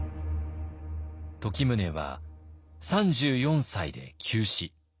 時宗は３４歳で急死。